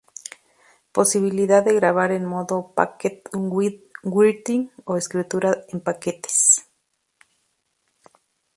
Posibilidad de grabar en modo packet writing o escritura en paquetes.